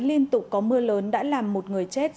liên tục có mưa lớn đã làm một người chết